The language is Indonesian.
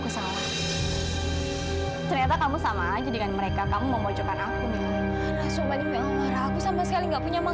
sampai jumpa di video selanjutnya